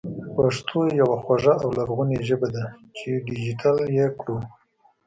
پښتو يوه خواږه او لرغونې ژبه ده چې ډېجېټل يې کړو